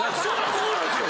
そうなんですよ。